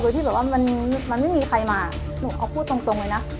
โดยที่แบบว่ามันไม่มีใครมาหนูเอาพูดตรงเลยนะ